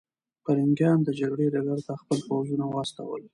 پرنګیان د جګړې ډګر ته خپل پوځونه واستول.